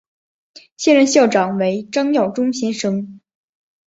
现任校长为张耀忠先生。